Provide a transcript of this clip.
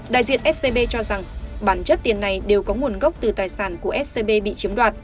đại diện scb cho rằng bản chất tiền này đều có nguồn gốc từ tài sản của scb bị chiếm đoạt